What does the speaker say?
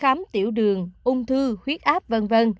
khám tiểu đường ung thư huyết áp v v